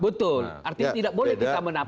betul artinya tidak boleh kita menangkap